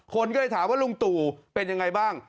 คนก็เลยถามว่าลุงตู่เป็นยังไงบ้าง